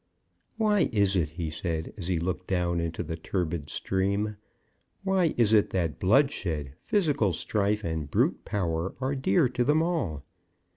"Why is it," he said as he looked down into the turbid stream "why is it that bloodshed, physical strife, and brute power are dear to them all?